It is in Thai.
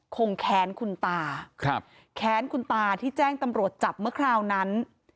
แค้นคุณตาครับแค้นคุณตาที่แจ้งตำรวจจับเมื่อคราวนั้น